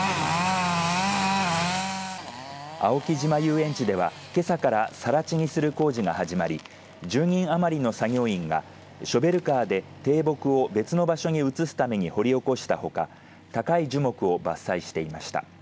青木島遊園地ではけさから更地にする工事が始まり１０人余りの作業員がショベルカーで低木を別の場所に移すために掘り起こしたほか高い樹木を伐採していました。